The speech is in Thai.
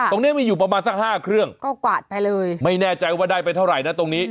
ตรงนี้มีอยู่ประมาณสักห้าเครื่องก็กวาดไปเลยไม่แน่ใจว่าได้ไปเท่าไหร่นะตรงนี้